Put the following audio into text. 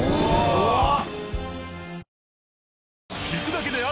怖っ！